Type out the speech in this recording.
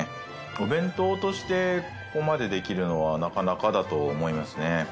お弁当としてここまでできるのはなかなかだと思いますね。